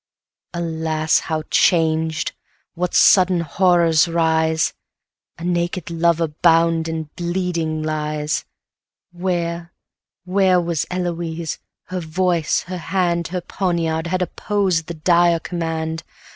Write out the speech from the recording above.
Alas, how changed! what sudden horrors rise! A naked lover bound and bleeding lies! 100 Where, where was Eloise? her voice, her hand, Her poniard, had opposed the dire command.